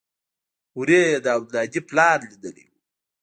هورې يې د عبدالهادي پلار ليدلى و.